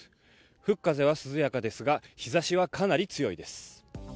吹く風は涼やかですが日ざしはかなり強いです。